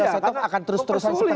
set top akan terus terusan seperti ini